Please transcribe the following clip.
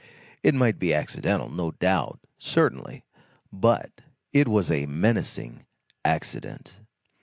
It might be accidental, no doubt, certainly, but it was a menacing accident.